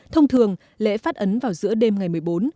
thông thường lễ phát ấn vào giữa đêm ngày một mươi bốn